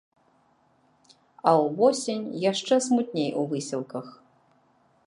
А ўвосень яшчэ смутней у выселках.